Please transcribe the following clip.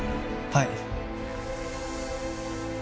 はい。